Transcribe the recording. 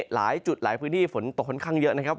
หลายจุดหลายพื้นที่ฝนตกค่อนข้างเยอะนะครับ